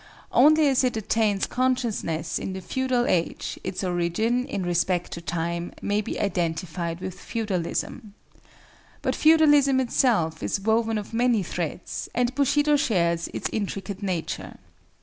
Only as it attains consciousness in the feudal age, its origin, in respect to time, may be identified with feudalism. But feudalism itself is woven of many threads, and Bushido shares its intricate nature.